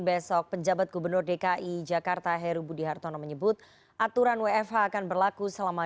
besok penjabat gubernur dki jakarta heru budi hartono menyebut aturan wfh akan berlaku selama